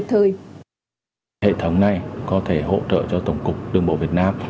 hệ thống này có thể hỗ trợ cho tổng cục đường bộ việt nam